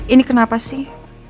ini kenapa sih